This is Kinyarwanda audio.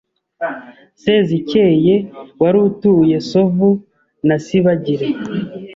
Sezikeye wari utuye Sovu na Sibagire.